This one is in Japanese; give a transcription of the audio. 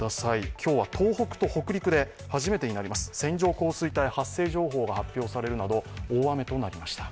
今日は東北と北陸で初めてになります、線状降水帯発生情報が発表されるなど大雨となりました。